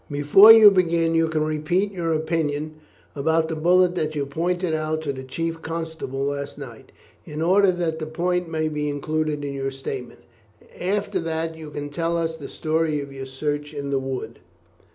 Before you begin, you can repeat your opinion about the bullet that you pointed out to the chief constable last night, in order that the point may be included in your statement. After that you can tell us the story of your search in the wood."